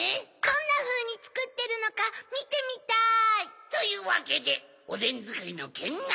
どんなふうにつくってるのかみてみたい。というわけでおでんづくりのけんがくを。